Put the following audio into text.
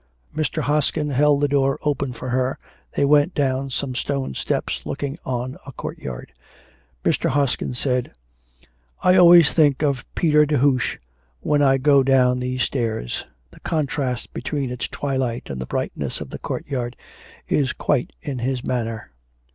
Mr. Hoskin held the door open for her, they went down some stone steps looking on a courtyard. Mr. Hoskin said, 'I always think of Peter De Hooch when I go down these stairs. The contrast between its twilight and the brightness of the courtyard is quite in his manner.'